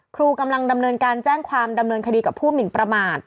ครูกำลังดำเนินการแจ้งความดำเนินคดีกับผู้หมินประมาท